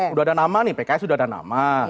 udah ada nama nih pks sudah ada nama